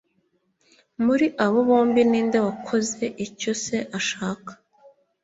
Muri abo bombi ni nde wakoze icyo se ashaka